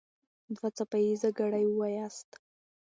دوه څپه ايزه ګړې وواياست.